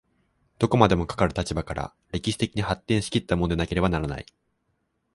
どこまでもかかる立場から歴史的に発展し来ったものでなければならない。